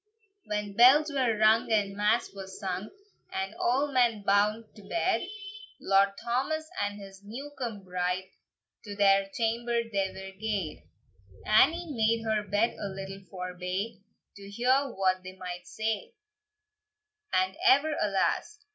When bells were rung, and mass was sung, And a' men bound to bed, Lord Thomas and his new come bride To their chamber they were gaed. Annie made her bed a little forbye, To hear what they might say; "And ever alas!"